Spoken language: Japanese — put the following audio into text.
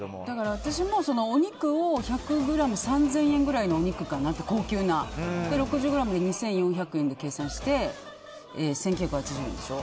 私もお肉を１００ｇ３０００円くらいのお肉かなとで、６０ｇで２４００円で計算して、１９８０円でしょ。